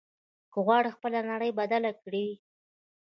که غواړې خپله نړۍ بدله کړې.